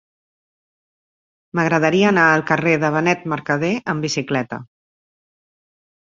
M'agradaria anar al carrer de Benet Mercadé amb bicicleta.